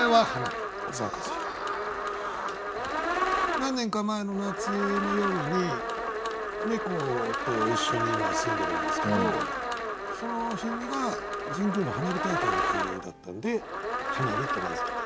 何年か前の夏の夜に猫と一緒に今住んでるんですけどその日が神宮の花火大会の日だったんで「はなび」と名付けたと。